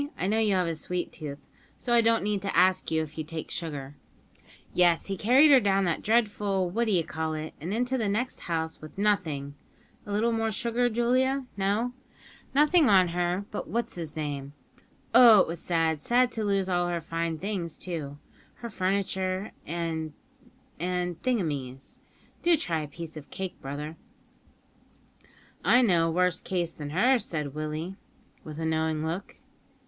I know you have a sweet tooth, so I don't need to ask if you take sugar) yes, he carried her down that dreadful what d'ye call it, and into the next house with nothing (A little more sugar, Julia? No? ) nothing on but her what's 'is name. Oh! it was sad; sad to lose all her fine things, too her furniture, and and thingumies. Do try a piece of cake, brother." "I know a worse case than hers," said Willie, with a knowing look.